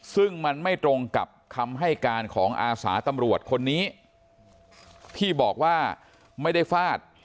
ซึ่งมันไม่ตรงกับคำให้การของอาสาตำรวจคนนี้ที่บอกว่าไม่ได้ฟาด